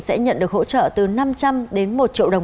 sẽ nhận được hỗ trợ từ năm trăm linh đến một triệu đồng